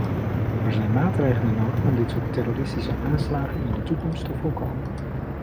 Er zijn maatregelen nodig om dit soort terroristische aanslagen in de toekomst te voorkomen.